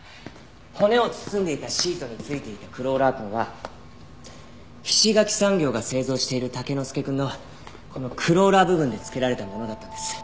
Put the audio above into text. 骨を包んでいたシートについていたクローラー痕は菱ヶ木産業が製造しているタケノスケくんのこのクローラー部分でつけられたものだったんです。